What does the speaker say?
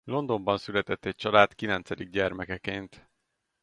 Londonban született egy család kilencedik gyermekeként.